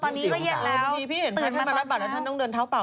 อ๋อตอนนี้ก็เย็นแล้วพี่เห็นตื่นมารับบัตรแล้วท่านต้องเดินเท้าเปล่า